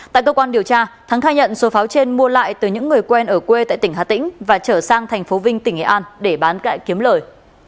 tại cơ quan điều tra thắng khai nhận số pháo trên mua lại từ những người quen ở quê tại tỉnh hà tĩnh và trở sang thành phố vinh tỉnh nghệ an để bán kẹ kiếm lời